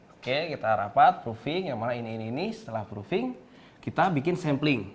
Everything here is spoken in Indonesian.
oke kita rapat proofing setelah proofing kita bikin sampling